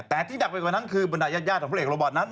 แต่ที่หนักไปกว่านั้นคือบรรดายาดของพระเอกโรบอตนั้น